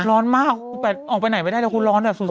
ร้อนมากออกไปไหนไม่ได้แล้วคุณร้อนแบบสุด